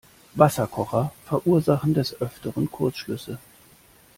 Wasserkocher verursachen des Öfteren Kurzschlüsse.